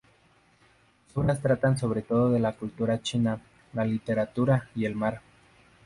Sus obras tratan sobre todo de la cultura china, la literatura y el mar.